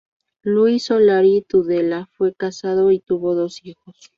Luis Solari Tudela fue casado y tuvo dos hijos.